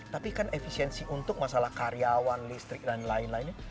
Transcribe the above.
tapi kan efisiensi untuk masalah karyawan listrik dan lain lainnya